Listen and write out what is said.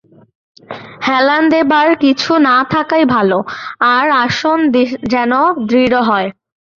হেলান দেবার কিছু না থাকাই ভাল, আার আসন যেন দৃঢ় হয়।